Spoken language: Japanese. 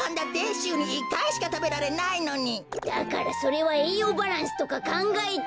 だからそれはえいようバランスとかかんがえて。